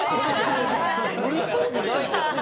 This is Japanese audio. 無理そうにないけどな。